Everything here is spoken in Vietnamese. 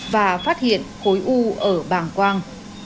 và phát hiện khối u ở bàng quang